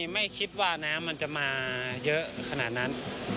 ไม่คิดว่าน้ำมันจะมาเยอะขนาดนั้น